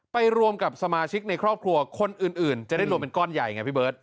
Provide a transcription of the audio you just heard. ไปรวมกับสมาชิกในครอบครัวคนอื่นจะได้รวมเป็นก้อนใหญ่ไงพี่เบิร์ต